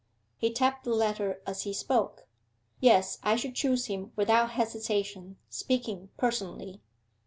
He tapped the letter as he spoke. 'Yes, I should choose him without hesitation speaking personally.